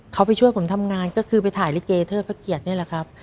เขาไปช่วยผมทำงานก็คือไปถ่ายลิเกเทิดพระเกียรตินี่แหละครับ